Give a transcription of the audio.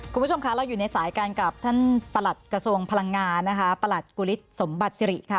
คุณผู้ชมคะเราอยู่ในสายกันกับท่านประหลัดกระทรวงพลังงานนะคะประหลัดกุฤษสมบัติสิริค่ะ